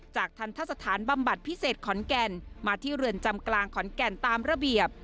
ทันทะสถานบำบัดพิเศษขอนแก่นมาที่เรือนจำกลางขอนแก่นตามระเบียบ